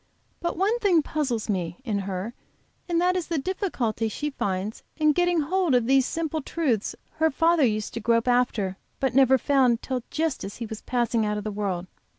But one thing puzzles me, in her, and that is the difficulty she finds in getting hold of these simple truths her father used to grope after but never found till just as he was passing out of the world.